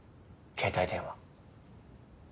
携帯電話。